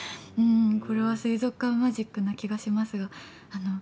これは水族館マジックな気がしますが。